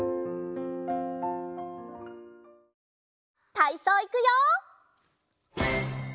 たいそういくよ！